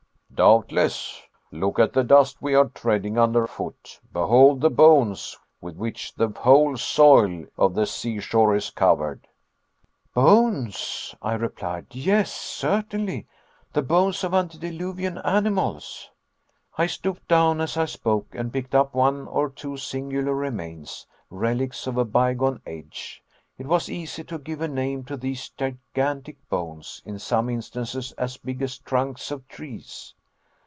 "Doubtless. Look at the dust we are treading under foot behold the bones with which the whole soil of the seashore is covered " "Bones," I replied, "yes, certainly, the bones of antediluvian animals." I stooped down as I spoke, and picked up one or two singular remains, relics of a bygone age. It was easy to give a name to these gigantic bones, in some instances as big as trunks of trees.